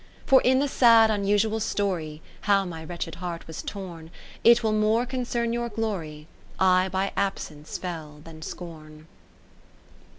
For in the sad unusual story How my wretched heart was torn, It will more concern your glory, I by absence fell than scorn.